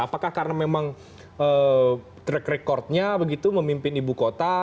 apakah karena memang track recordnya begitu memimpin ibu kota